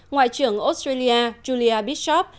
ngoại trưởng australia julia bishop